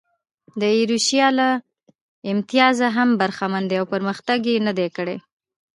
د ایروشیا له امتیازه هم برخمن دي او پرمختګ یې نه دی کړی.